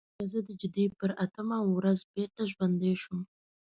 بیا زه د جدي پر اتمه ورځ بېرته ژوندی شوم.